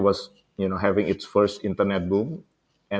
memiliki boom internet pertama